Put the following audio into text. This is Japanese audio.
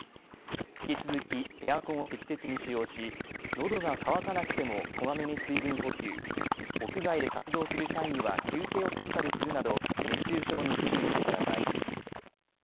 引き続きエアコンを適切に使用しのどが渇かなくてもこまめに水分補給、屋外で活動する際には休憩を取ったりするなど熱中症に注意してください。